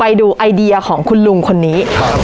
แอบเพิ่มการทรงของ